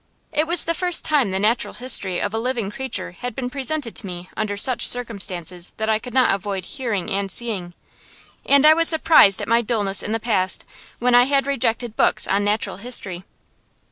It was the first time the natural history of a living creature had been presented to me under such circumstances that I could not avoid hearing and seeing, and I was surprised at my dulness in the past when I had rejected books on natural history.